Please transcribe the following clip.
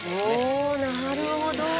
おおなるほど。